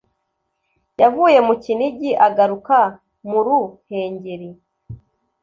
yavuye mukinigi aagaruka muru hengeri